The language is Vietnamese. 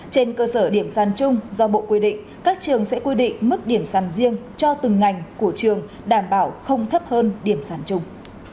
trên cơ sở điểm sàn chung do bộ quy định các trường sẽ quy định mức điểm sàn riêng cho từng ngành của trường đảm bảo không thấp hơn điểm sàn chung